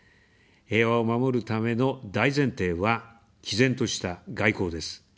平和を守るための大前提は、きぜんとした外交です。